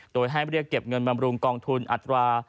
โดยให้เรียกเก็บเงินบำรุงกองทุนอัตรา